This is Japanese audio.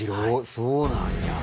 そうなんや。